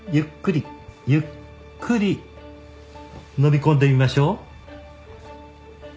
ゆっくり飲み込んでみましょう。